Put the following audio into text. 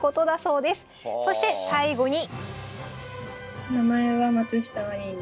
そして最後に。